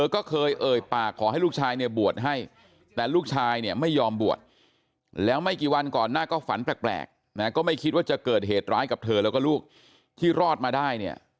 ก่อนหน้าก็ฝันแปลกนะก็ไม่คิดว่าจะเกิดเหตุร้ายกับเธอแล้วก็ลูกที่รอดมาได้เนี่ย